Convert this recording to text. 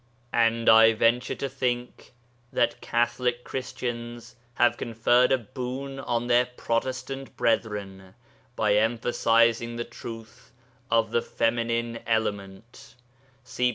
And I venture to think that Catholic Christians have conferred a boon on their Protestant brethren by emphasizing the truth of the feminine element (see pp.